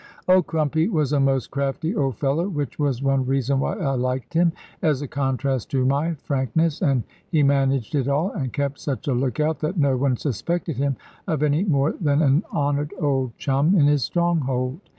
Old Crumpy was a most crafty old fellow which was one reason why I liked him, as a contrast to my frankness and he managed it all, and kept such a look out, that no one suspected him of any more than an honoured old chum in his stronghold.